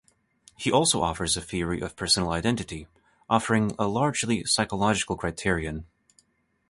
He also offers a theory of personal identity, offering a largely psychological criterion.